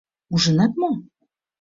Ужынат мо?